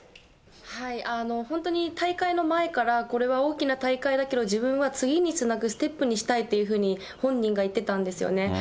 本当に大会の前から、これは大きな大会だけど、自分は次につなぐステップにしたいというふうに本人が言ってたんですよね。